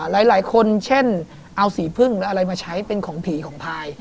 หลายคนเช่นเอาสีพึ่งหรืออะไรมาใช้เป็นของผีของพาย